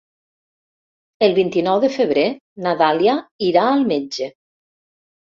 El vint-i-nou de febrer na Dàlia irà al metge.